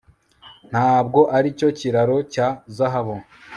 Ntabwo aricyo kiraro cya Zahabu